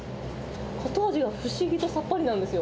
後味は不思議とさっぱりなんですよ。